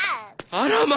あらま。